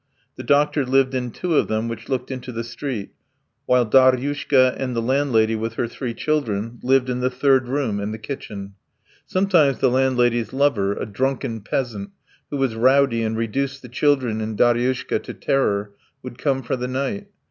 The doctor lived in two of them which looked into the street, while Daryushka and the landlady with her three children lived in the third room and the kitchen. Sometimes the landlady's lover, a drunken peasant who was rowdy and reduced the children and Daryushka to terror, would come for the night.